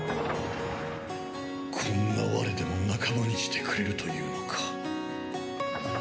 こんな我でも仲間にしてくれるというのか。